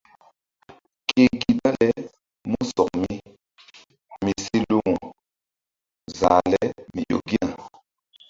Ke gi dale músɔk mi mi si lumu zah le mi ƴo gina.